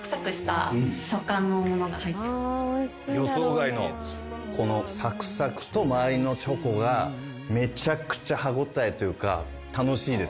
予想外のこのサクサクと周りのチョコがめちゃくちゃ歯応えというか。